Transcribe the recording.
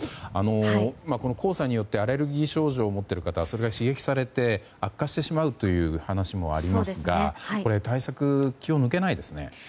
黄砂によってアレルギー症状を持っている方それが刺激されて悪化してしまうという話もありますが対策、気を抜けないですね。